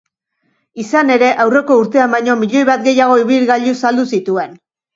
Izan ere, aurreko urtean baino milioi bat gehiago ibilgailu saldu zituen.